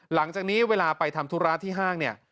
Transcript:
หลังจากนี้เวลาไปทำธุระที่ห้างเนี่ย